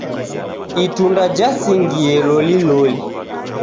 Itunda jasingie loliloli.